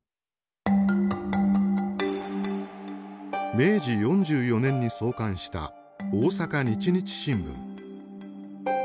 明治４４年に創刊した大阪日日新聞。